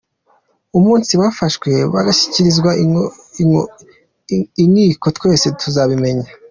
Umunsi bafashwe bagashyikirizwa inkiko twese tuzabimenya.”